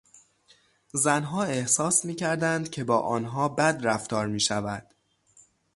زنها احساس میکردند که با آنها بد رفتار میشود.